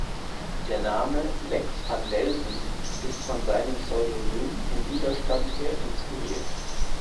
Der Name Lex van Delden ist von seinem Pseudonym im Widerstand her inspiriert.